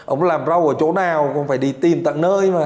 ông làm rau ở chỗ nào cũng phải đi tìm tận nơi mà